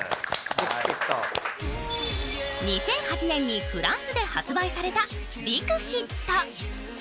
２００８年にフランスで発売されたディクシット。